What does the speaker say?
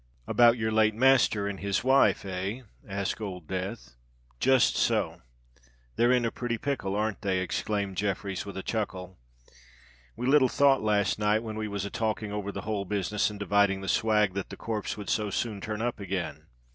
"About your late master and his wife—eh?" asked Old Death. "Just so. They're in a pretty pickle—ain't they?" exclaimed Jeffreys, with a chuckle. "We little thought last night, when we was a talking over the whole business and dividing the swag, that the corpse would so soon turn up again.